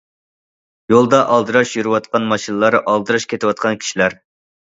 يولدا ئالدىراش يۈرۈۋاتقان ماشىنىلار، ئالدىراش كېتىۋاتقان كىشىلەر.